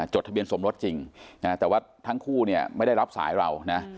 ทะเบียนสมรสจริงแต่ว่าทั้งคู่เนี่ยไม่ได้รับสายเรานะ